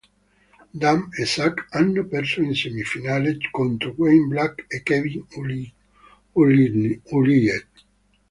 Damm e Suk hanno perso in semifinale contro Wayne Black e Kevin Ullyett.